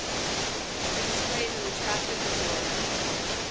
It displayed an attractive disorder.